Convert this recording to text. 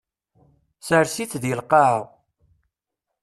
Sers-it deg lqaɛa.